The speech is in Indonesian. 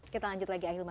kita lanjut lagi ahilman